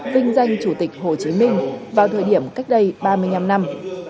vinh danh chủ tịch hồ chí minh vào thời điểm cách đây ba mươi năm năm